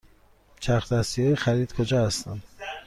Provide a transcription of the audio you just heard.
چرخ دستی های خرید کجا هستند؟